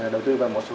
để chúng ta có thể